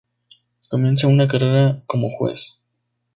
Comienza una carrera como juez.